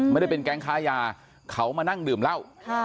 ไม่ได้เป็นแก๊งค้ายาเขามานั่งดื่มเหล้า